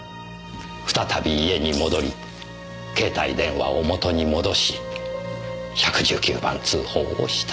再び家に戻り携帯電話を元に戻し１１９番通報をした。